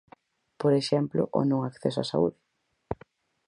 Por exemplo, o non acceso á saúde.